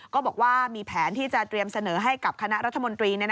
ก็บอกว่ามีแผนที่จะเตรียมเสนอให้กับคณะรัฐมนตรี